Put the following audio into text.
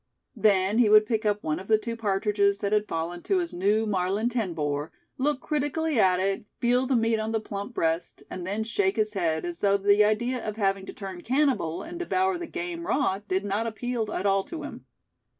Then he would pick up one of the two partridges that had fallen to his new Marlin ten bore, look critically at it, feel the meat on the plump breast; and then shake his head, as though the idea of having to turn cannibal, and devour the game raw did not appeal at all to him.